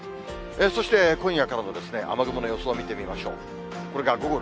そして今夜からの雨雲の予想を見てみましょう。